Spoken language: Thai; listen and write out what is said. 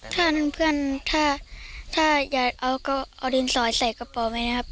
ถ้าเพื่อนถ้าอยากเอาก็เอาดินสอยใส่กระป๋อไปนะครับ